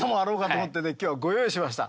今日はご用意しました。